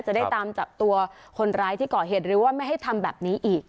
จะได้ตามจับตัวคนร้ายที่ก่อเหตุหรือว่าไม่ให้ทำแบบนี้อีก